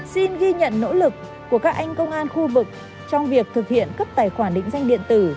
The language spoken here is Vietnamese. xin ghi nhận nỗ lực của các anh công an khu vực trong việc thực hiện cấp tài khoản định danh điện tử